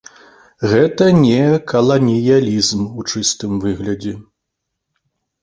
Гэта неакаланіялізм у чыстым выглядзе.